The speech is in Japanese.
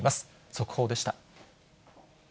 速報でした。